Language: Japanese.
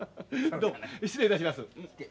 どうも失礼いたします。